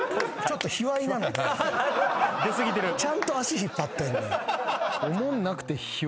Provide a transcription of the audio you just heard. ちゃんと足引っ張ってんねん。